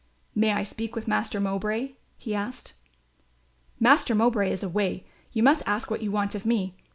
"May I speak with Master Mowbray?" he said. "Master Mowbray is away, you must ask what you want of me.